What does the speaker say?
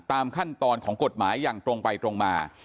ตามขั้นตอนของกฎหมายอย่างตรงไปตรงมา